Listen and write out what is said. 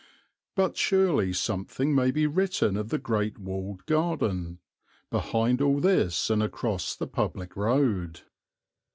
But surely something may be written of the great walled garden, behind all this and across the public road.